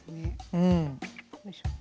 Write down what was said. うん。